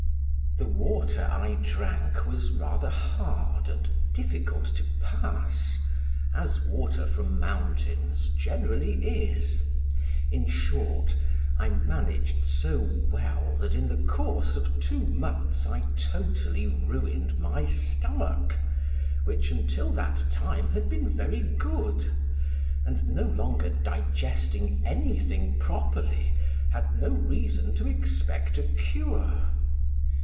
The water I drank was rather hard and difficult to pass, as water from mountains generally is; in short, I managed so well, that in the course of two months I totally ruined my stomach, which until that time had been very good, and no longer digesting anything properly, had no reason to expect a cure.